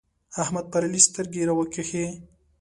احمد پر علي سترګې راوکښې.